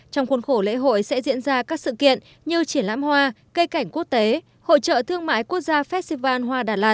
trong khuôn khổ lễ hội sẽ diễn ra các sự kiện như triển lãm hoa cây cảnh quốc tế hội trợ thương mại quốc gia festival hoa đà lạt